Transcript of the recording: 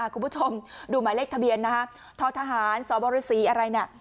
คุณผู้ชมดูหมายเลขทะเบียนนะฮะททหารสบริษีอะไรเนี่ย